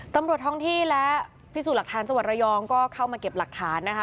ตำรวจท้องที่และพิสูจน์หลักฐานจังหวัดระยองก็เข้ามาเก็บหลักฐานนะคะ